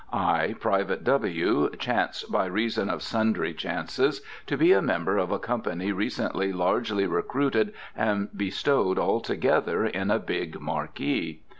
I, Private W., chance, by reason of sundry chances, to be a member of a company recently largely recruited and bestowed all together in a big marquee.